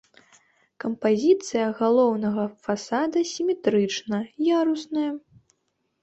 Кампазіцыя галоўнага фасада сіметрычная, ярусная.